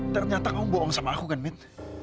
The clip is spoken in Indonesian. ternyata kamu bohong sama aku kan min